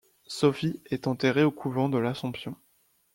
Sophie est enterrée au couvent de l'Assomption.